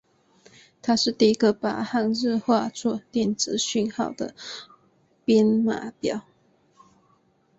它是第一个把汉字化作电子讯号的编码表。